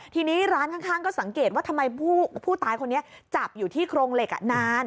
ทีนี้ร้านข้างก็สังเกตว่าทำไมผู้ตายคนนี้จับอยู่ที่โครงเหล็กนาน